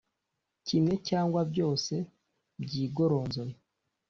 kimwe cyangwa byose byigoronzoye